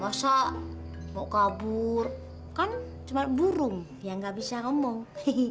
gak usah mau kabur kan cuma burung yang gak bisa ngomong